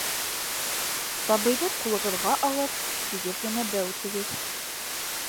- сабыйҙы ҡулығыҙға алып, тигеҙ генә бәүетегеҙ